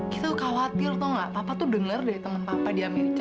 kita tuh khawatir tau gak papa tuh denger deh temen papa dia minta